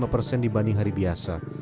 dua puluh lima persen dibanding hari biasa